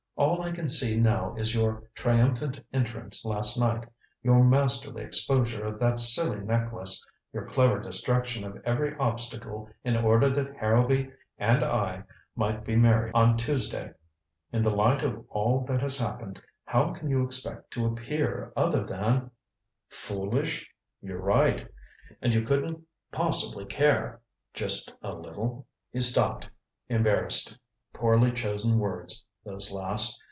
All I can see now is your triumphant entrance last night your masterly exposure of that silly necklace your clever destruction of every obstacle in order that Harrowby and I might be married on Tuesday. In the light of all that has happened how can you expect to appear other than " "Foolish? You're right. And you couldn't possibly care just a little " He stopped, embarrassed. Poorly chosen words, those last.